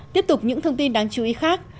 tiếp tục những thông tin đáng chú ý khác